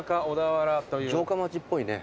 城下町っぽいね。